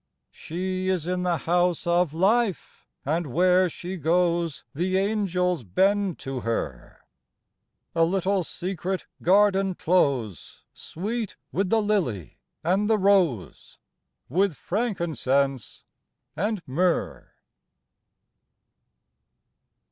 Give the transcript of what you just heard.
She is in the House of Life : and where She goes the angels bend to her, A little secret garden close, Sweet with the lily and the rose, With frankincense and myrrh.